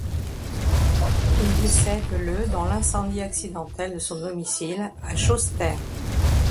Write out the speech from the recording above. Il décède le dans l'incendie accidentel de son domicile, à Chausseterre.